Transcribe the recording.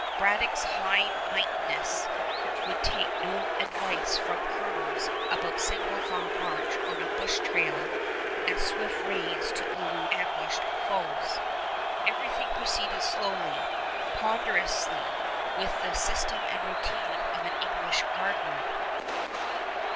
Braddock's high mightiness would take no advice from colonials about single file march on a bush trail and swift raids to elude ambushed foes. Everything proceeded slowly, ponderously, with the system and routine of an English guardroom.